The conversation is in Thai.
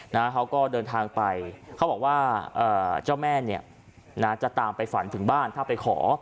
เขาก็เดินทางไปเขาบอกว่าเอ่อเจ้าแม่เนี่ยนะจะตามไปฝันถึงบ้านถ้าไปขอ